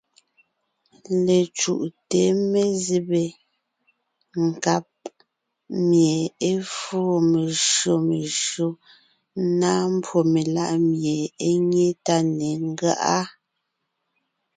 Lecǔʼte mezébé nkáb mie é fóo meshÿó meshÿó, ńnáa mbwó meláʼ mie é nyé tá ne ńgáʼa.